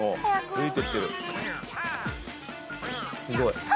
すごい。